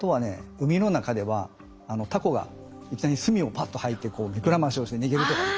海の中ではタコがいきなり墨をパッと吐いて目くらましをして逃げるとかね。